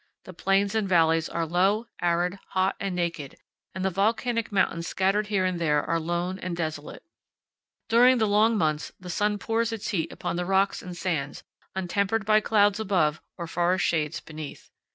The plains and valleys are low, arid, hot, and naked, and the volcanic mountains scattered here and there are lone and desolate. During the long months the sun pours its heat upon the rocks and sands, untempered by clouds above or forest shades beneath.